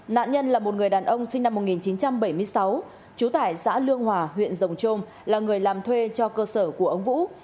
nạn nhân là một người đàn ông sinh năm một nghìn chín trăm bảy mươi sáu trú tải xã lương hòa huyện rồng trôm là người làm thuê cho cơ sở của ông vũ